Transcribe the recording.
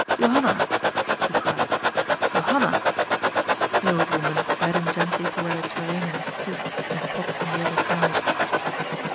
''Johanna!" he cried, "Johanna!" The old woman led him gently to where the Torrenias stood in pots on the other side.